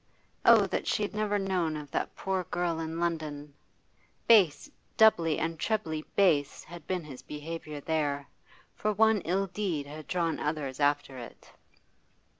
Oh, that she had never known of that poor girl in London! Base, doubly and trebly base, had been his behaviour there, for one ill deed had drawn others after it.